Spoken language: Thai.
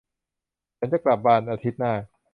ฉันจะกลับบ้านอาทิตย์หน้า